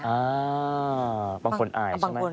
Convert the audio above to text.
อ่าบางคนอายใช่ไหม